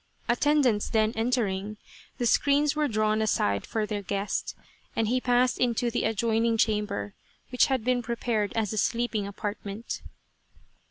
Attendants then entering, the screens were drawn aside for their guest, and he passed into the adjoining chamber, which had been prepared as a sleeping apartment.